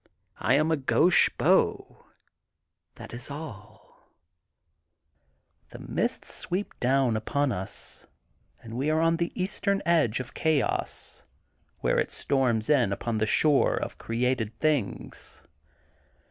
I am a gauche beau, that is all ... The mists sweep down upon us, and we are on the very eastern edge of Chaos, where it storms in upon the shore of created things.